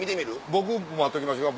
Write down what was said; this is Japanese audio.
僕待っときましょうか？